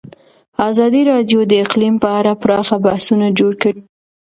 ازادي راډیو د اقلیم په اړه پراخ بحثونه جوړ کړي.